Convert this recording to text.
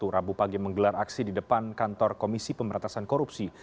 rabu pagi menggelar aksi di depan kantor komisi pemberantasan korupsi